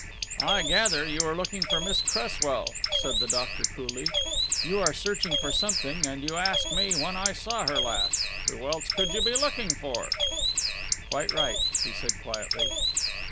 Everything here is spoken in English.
"I gather you are looking for Miss Cresswell," said the doctor coolly. "You are searching for something, and you ask me when I saw her last. Who else could you be looking for?" "Quite right," he said quietly.